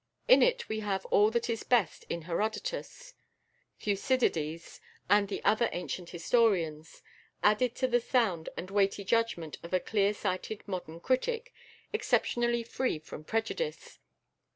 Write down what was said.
In it we have all that is best in Herodotus, Thucydides, and the other ancient historians, added to the sound and weighty judgment of a clear sighted modern critic, exceptionally free from prejudice.